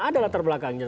ada latar belakangnya